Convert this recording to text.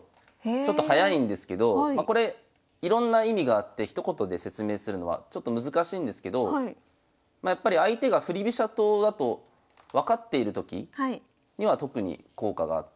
ちょっと早いんですけどこれいろんな意味があってひと言で説明するのはちょっと難しいんですけどやっぱり相手が振り飛車党だと分かっているときには特に効果があって。